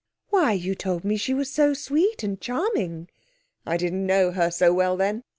'Why, you told me she was so sweet and charming!' 'I didn't know her so well then.